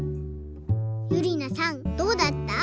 ゆりなさんどうだった？